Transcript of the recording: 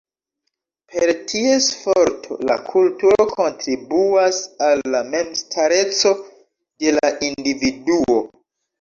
Per ties forto, la kulturo kontribuas al la memstareco de la individuo.